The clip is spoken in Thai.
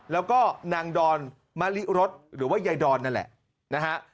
แล้วก็นางดอนมะลิรสหรือว่ายายดอนนั่นแหละนะฮะ